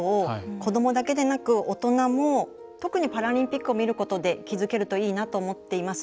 子どもだけでなく、大人も特にパラリンピックを見ることで気付けるといいなと思っています。